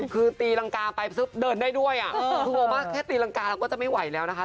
คือตีรังกาไปซึ่งเดินได้ด้วยแค่ตีรังกาเราก็จะไม่ไหวแล้วนะคะ